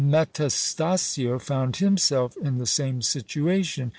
Metastasio found himself in the same situation.